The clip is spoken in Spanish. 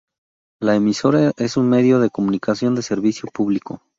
La emisora es un medio de comunicación de servicio público.